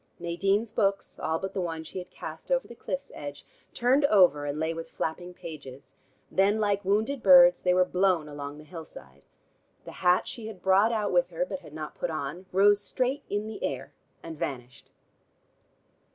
Nadine's books, all but the one she had cast over the cliff's edge, turned over, and lay with flapping pages; then like wounded birds they were blown along the hillside. The hat she had brought out with her, but had not put on, rose straight in the air, and vanished.